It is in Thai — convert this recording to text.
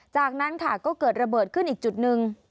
จากนั้นค่ะก็เกิดระเบิดขึ้นอีกจุดหนึ่ง